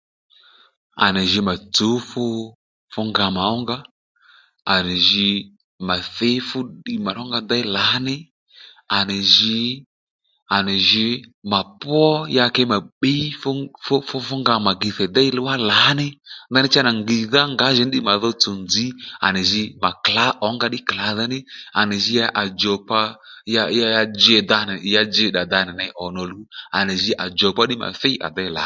À nì jǐ mà tsǔw fú nga mà ónga à nì jǐ mà thǐy fúddiy mà rónga déy lǎní ànì jǐ à nì jǐ mà pwó ya kě mà kpǐy fú fúnga mà gitèy mà déy wá lǎní ndaní cha nì ngìydha ngǎjìní ddiy mà ddí dho tsùw nzǐ à nì jǐy mà klǎ ǒnga ddí klàdha ní à nì jǐ à djùkpa ya dji-ddà danì ya dji-ddà danì ney ònòluw à nì jǐ à djùkpa ddí mà thǐy à déy lǎní